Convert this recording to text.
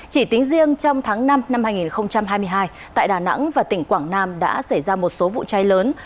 chỉ tính riêng trong tháng năm năm hai nghìn hai mươi hai tại đà nẵng và tỉnh quảng nam đã xảy ra một số vụ cháy lớn